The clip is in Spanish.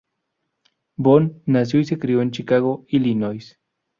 Boon nació y se crio en Chicago, Illinois.